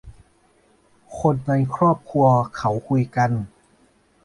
คนในครอบครัวเขาคุยกัน